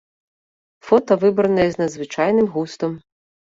Фота выбраныя з надзвычайным густам.